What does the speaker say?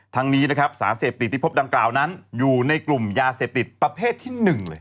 นี้นะครับสารเสพติดที่พบดังกล่าวนั้นอยู่ในกลุ่มยาเสพติดประเภทที่๑เลย